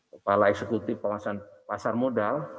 kepala eksekutif pengawasan pasar modal